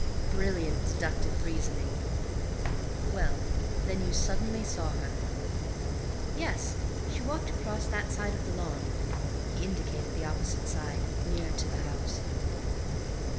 "Brilliant deductive reasoning. Well, then you suddenly saw her?" "Yes, she walked across that side of the lawn." He indicated the opposite side, nearer to the house.